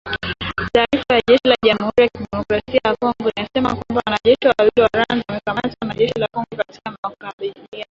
Taarifa ya jeshi la Jamhuri ya Kidemokrasia ya Kongo imesema kwamba wanajeshi wawili wa Rwanda wamekamatwa na jeshi la Kongo katika makabiliano